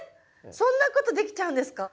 そんなことできちゃうんですか？